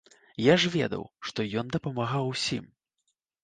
Я ж ведаў, што ён дапамагаў усім.